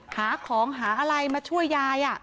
หาของหาอะไรมาช่วยยาย